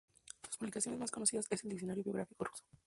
Su publicación más conocida es el Diccionario Biográfico Ruso.